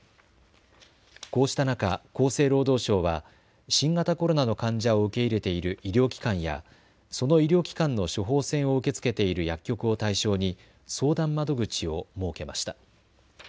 こうした中、厚生労働省は新型コロナの患者を受け入れている医療機関や、その医療機関の処方せんを受け付けている薬局を対象に相談窓口を設けました。